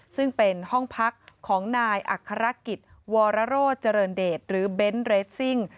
ซึ่งเป็นห้องพักของนายอัครกิจวรโรเจริญเดชหรือเบนท์เรสซิ่ง